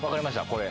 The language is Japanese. これ。